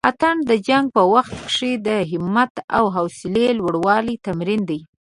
اتڼ د جنګ په وخت کښې د همت او حوصلې لوړلو تمرين دی.